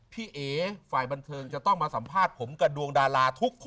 เอ๋ฝ่ายบันเทิงจะต้องมาสัมภาษณ์ผมกับดวงดาราทุกคน